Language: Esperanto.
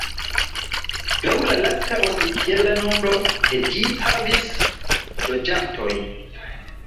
Laŭ la lasta oficiala nombro de ĝi havis loĝantojn.